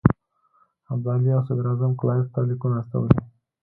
ابدالي او صدراعظم کلایف ته لیکونه استولي.